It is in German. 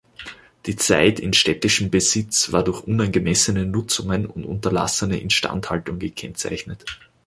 Die Zeit in städtischem Besitz war durch unangemessene Nutzungen und unterlassene Instandhaltung gekennzeichnet.